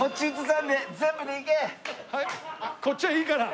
こっちはいいから。